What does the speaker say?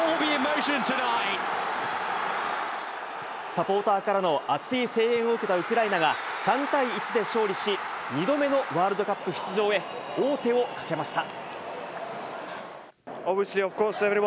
サポーターからの熱い声援を受けたウクライナが３対１で勝利し、２度目のワールドカップ出場へ、王手をかけました。